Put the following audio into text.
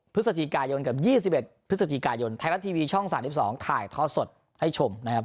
พฤศจิกายนกับ๒๑พฤศจิกายนไทยรัฐทีวีช่อง๓๒ถ่ายทอดสดให้ชมนะครับ